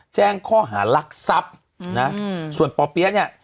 แจ้งข้อหารักษับนะอืมส่วนป่อเปี๊ยะเนี้ย